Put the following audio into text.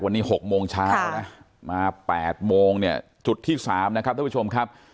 วันนี้๖โมงเช้านะมา๘โมงจุดที่๓นะครับท่านผู้ชม